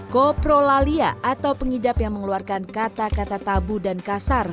koprolalia atau pengidap yang mengeluarkan kata kata tabu dan kasar